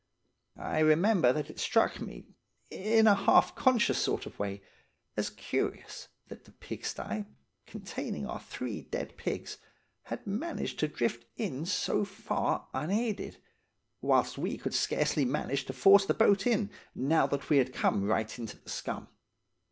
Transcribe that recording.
I remember that it struck me, in a half conscious sort of way, as curious that the pigsty, containing our three dead pigs, had managed to drift in so far unaided, whilst we could scarcely manage to force the boat in, now that we had come right into the scum.